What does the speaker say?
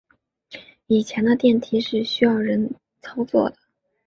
以前的电梯是需要人操作的。